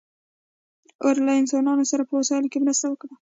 اور له انسانانو سره په وسایلو کې مرسته وکړه.